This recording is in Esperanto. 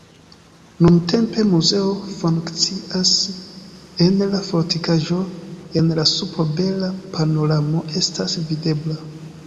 Nuntempe muzeo funkcias en la fortikaĵo, en la supro bela panoramo estas videbla.